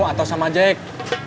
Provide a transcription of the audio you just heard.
atau sama jack